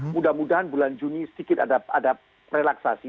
mudah mudahan bulan juni sedikit ada relaksasi